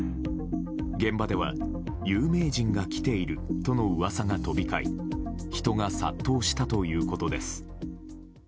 現場では、有名人が来ているとの噂が飛び交い人が殺到したということです。